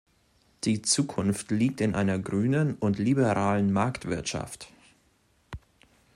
Die Zukunft liegt in einer grünen und liberalen Marktwirtschaft.